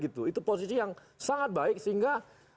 itu posisi yang sangat baik sehingga